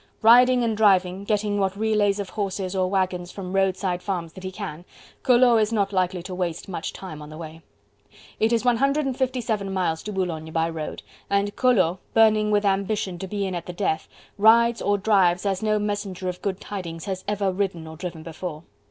Riding and driving, getting what relays of horses or waggons from roadside farms that he can, Collot is not likely to waste much time on the way. It is 157 miles to Boulogne by road, and Collot, burning with ambition to be in at the death, rides or drives as no messenger of good tidings has ever ridden or driven before.